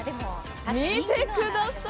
見てください！